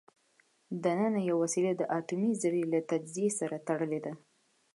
دننه یوه وسیله د اټومي ذرې له تجزیې سره تړلې ده.